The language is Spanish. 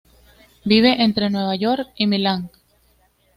Vive entre Nueva York y Milán.